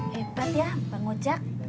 hebat ya bang ojek